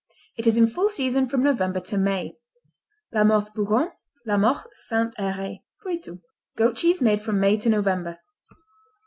It is in full season from November to May. Lamothe Bougon, La Mothe St. Heray Poitou Goat cheese made from May to November.